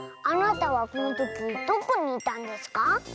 あなたはこのときどこにいたんですか？